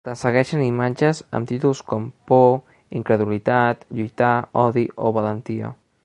La segueixen imatges amb títols com ‘por’, ‘incredulitat’, ‘lluitar’, ‘odi’ o ‘valentia’.